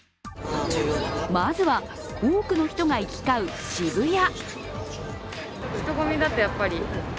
まずは多くの人が行き交う渋谷。